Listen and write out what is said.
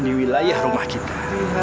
di wilayah rumah kita